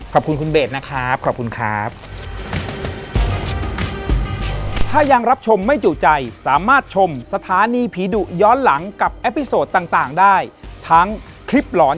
ขอบคุณคุณเบทนะครับ